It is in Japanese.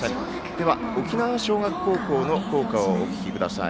では沖縄尚学高校の校歌をお聴きください。